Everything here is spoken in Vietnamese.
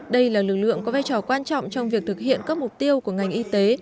đây là lực lượng có vai trò quan trọng trong việc thực hiện các mục tiêu của ngành y tế